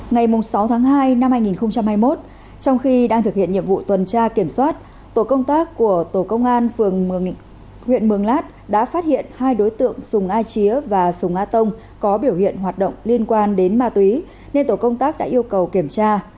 ngày sáu tháng hai năm hai nghìn hai mươi một trong khi đang thực hiện nhiệm vụ tuần tra kiểm soát tổ công tác của tổ công an phường huyện mường lát đã phát hiện hai đối tượng sùng a chía và sùng a tông có biểu hiện hoạt động liên quan đến ma túy nên tổ công tác đã yêu cầu kiểm tra